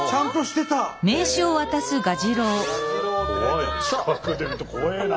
怖い近くで見ると怖えな。